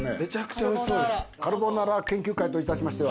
カルボナーラ研究会といたしましては。